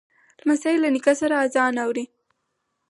لمسی له نیکه سره آذان اوري.